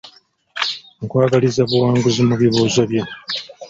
Nkwagaliza buwanguzi mu bibuuzo byo.